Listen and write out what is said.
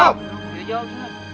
ya jawab sunan